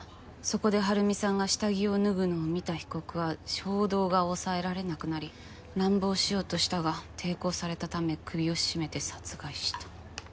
そこで晴美さんが下着を脱ぐのを見た被告は衝動が抑えられなくなり乱暴しようとしたが抵抗されたため首を絞めて殺害した。